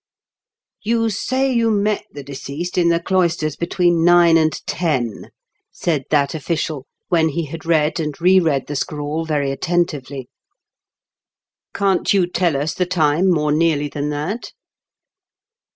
"You say you met the deceased in the cloisters between nine and ten," said that official when he had read and re read the scrawl very attentively. " Can^t you tell us the time more nearly than that